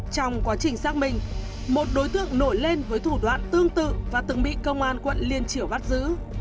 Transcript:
trong quá trình xác minh một đối tượng nổi lên với thủ đoạn tương tự và từng bị công an quận liên triểu bắt giữ